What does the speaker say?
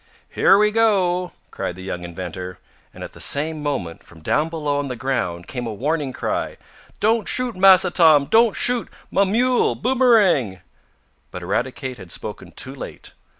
"Here we go!" cried the young inventor, and, at the same moment, from down below on the ground, came a warning cry: "Don't shoot, Massa Tom. Don't shoot! Mah mule, Boomerang " But Eradicate had spoken too late.